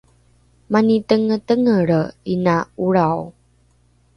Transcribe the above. mani tengetengelre ’ina ’olrao